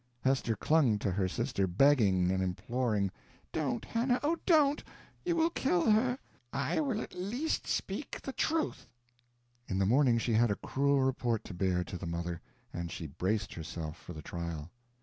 Hester clung to her sister, begging and imploring. "Don't, Hannah, oh, don't you will kill her." "I will at least speak the truth." In the morning she had a cruel report to bear to the mother, and she braced herself for the trial.